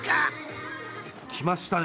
来ましたね。